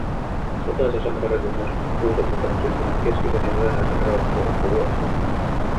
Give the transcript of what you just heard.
Sotaisa sankarirunous on Kuusen mukaan syntynyt keskisen ja myöhäisen rautakauden kuluessa